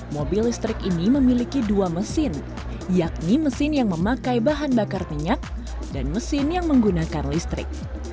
mobil listrik ini memiliki dua mesin yakni mesin yang memakai bahan bakar minyak dan mesin yang menggunakan listrik